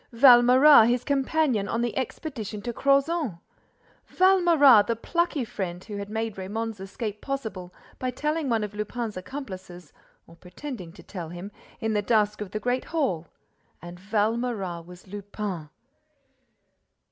Valméras, his companion on the expedition to Crozant! Valméras, the plucky friend who had made Raymonde's escape possible by felling one of Lupin's accomplices, or pretending to fell him, in the dusk of the great hall! And Valméras was Lupin!